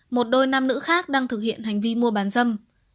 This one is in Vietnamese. một đôi nam nữ khác đang thực hiện hành vi mua bán dâm